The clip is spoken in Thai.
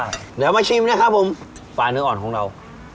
เดี๋ยวมาชิมนะครับผมปลาเนื้ออ่อนของเรา